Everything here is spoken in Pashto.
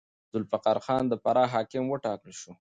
ذوالفقار خان د فراه حاکم وټاکل شو.